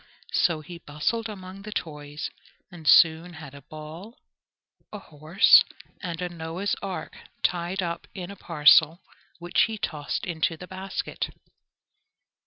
So he bustled among the toys, and soon had a ball, a horse, and a Noah's ark tied up in a parcel, which he tossed into the basket.